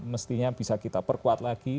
mestinya bisa kita perkuat lagi